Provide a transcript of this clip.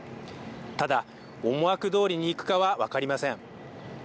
ただ思惑どおりにいくかは分かりません